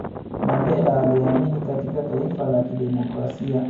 mandela aliamini katika taifa la kidemokrasia